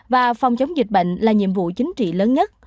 và phòng chống dịch bệnh là nhiệm vụ chính trị lớn nhất